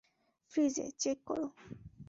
ফ্রিজে, চেক করো।